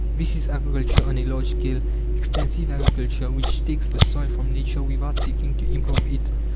This is agriculture on a large scale extensive agriculture, which takes the soil from nature without seeking to improve it.